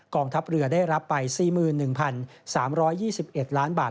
ทัพเรือได้รับไป๔๑๓๒๑ล้านบาท